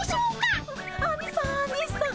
アニさんアニさん！